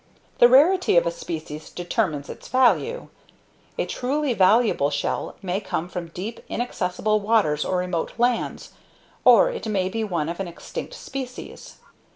The rarity of a species determines its value. A truly valuable shell may come from deep, inaccessible waters or remote lands or it may be one of an extinct species.